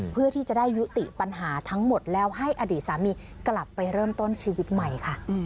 เพื่อที่จะได้ยุติปัญหาทั้งหมดแล้วให้อดีตสามีกลับไปเริ่มต้นชีวิตใหม่ค่ะ